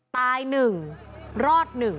ตายหนึ่งรอดหนึ่ง